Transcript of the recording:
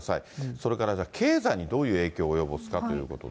それから経済にどういう影響を及ぼすかということで。